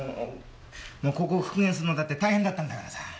ここを復元するのだって大変だったんだからさあ。